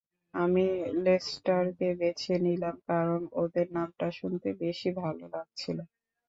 আমি লেস্টারকে বেছে নিলাম, কারণ ওদের নামটা শুনতে বেশি ভালো লাগছিল।